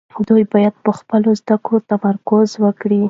دوی باید په خپلو زده کړو تمرکز وکړي.